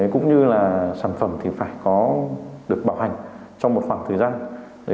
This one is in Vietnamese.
cũng như là sản phẩm thì phải có được bảo hành trong một khoảng thời gian